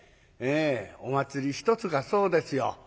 お祭り一つがそうですよ。